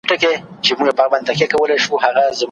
راتلونکی زموږ په لاس کي دی.